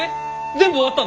全部終わったの？